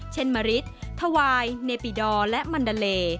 มะริดทวายเนปิดอร์และมันดาเล